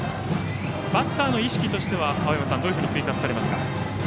バッターの意識としてはどういうふうに推察されますか。